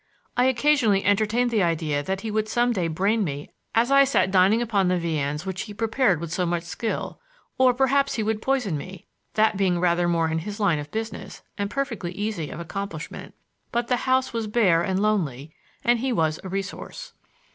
I occasionally entertained the idea that he would some day brain me as I sat dining upon the viands which he prepared with so much skill; or perhaps he would poison me, that being rather more in his line of business and perfectly easy of accomplishment; but the house was bare and lonely and he was a resource.